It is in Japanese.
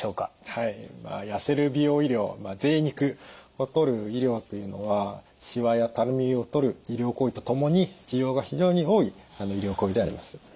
はい痩せる美容医療ぜい肉をとる医療というのはしわやたるみをとる医療行為とともに需要が非常に多い医療行為であります。